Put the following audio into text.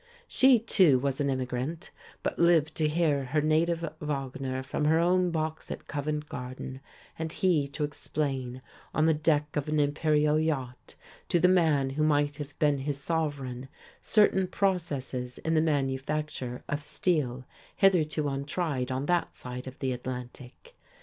She, too, was an immigrant, but lived to hear her native Wagner from her own box at Covent Garden; and he to explain, on the deck of an imperial yacht, to the man who might have been his sovereign certain processes in the manufacture of steel hitherto untried on that side of the Atlantic.